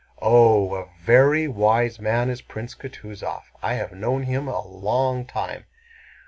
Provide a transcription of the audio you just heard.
"Oh, a very wise man is Prince Kutúzov! I have known him a long time!"